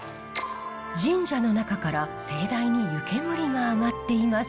神社の中から盛大に湯煙が上がっています。